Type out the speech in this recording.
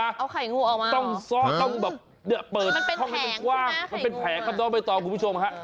มันเป็นแผงข้างหน้าไข่งูอ่ะมันเป็นแผงออกไปต่อคุณผู้ชม